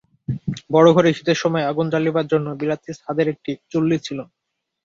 বড়ো ঘরে শীতের সময় আগুন জ্বালিবার জন্য বিলাতি ছাঁদের একটি চুল্লি ছিল।